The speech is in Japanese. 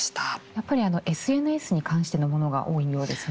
やっぱりＳＮＳに関してのものが多いようですね。